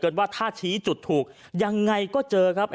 ว่าถ้าชี้จุดถูกยังไงก็เจอครับ